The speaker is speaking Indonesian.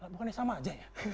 bukannya sama aja ya